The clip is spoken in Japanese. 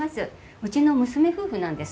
うちの娘夫婦なんです。